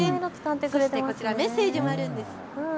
そしてこちら、メッセージもあるんです。